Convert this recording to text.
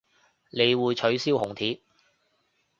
你會取消紅帖